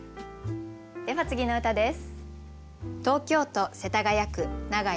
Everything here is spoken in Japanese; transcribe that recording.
では次の歌です。